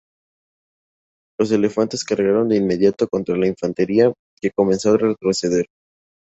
Los elefantes cargaron de inmediato contra la infantería, que comenzó a retroceder.